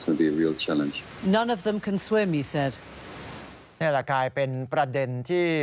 นี่แหละกลายเป็นประเด็นที่